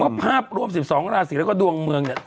ภาพรวม๑๒ราศีแล้วก็ดวงเมืองเนี่ย